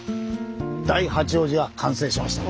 大八王子が完成しました。